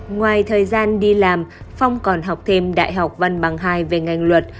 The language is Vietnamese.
ngoài thời gian đi làm phong còn học thêm đại học văn bằng hai về ngành luật